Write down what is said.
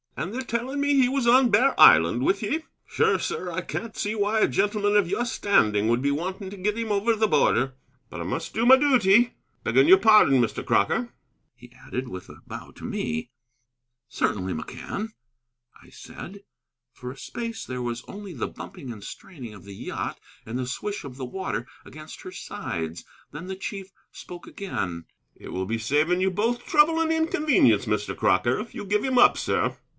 "And they're telling me he was on Bear Island with ye? Sure, sir, and I can't see why a gentleman of your standing would be wanting to get him over the border. But I must do my duty. Begging your pardon, Mr. Crocker," he added, with a bow to me. "Certainly, McCann," I said. For a space there was only the bumping and straining of the yacht and the swish of the water against her sides. Then the chief spoke again. "It will be saving you both trouble and inconvenience, Mr. Crocker, if you give him up, sir."